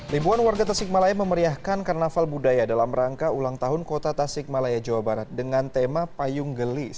ribuan warga tasikmalaya memeriahkan karnaval budaya dalam rangka ulang tahun kota tasik malaya jawa barat dengan tema payung gelis